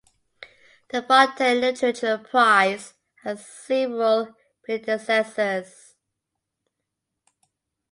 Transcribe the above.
The Fontane Literature Prize has several predecessors.